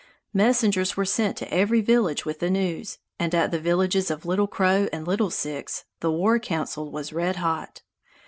Messengers were sent to every village with the news, and at the villages of Little Crow and Little Six the war council was red hot.